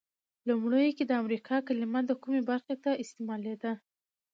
لومړیو کې د امریکا کلمه د کومې برخې ته استعمالیده؟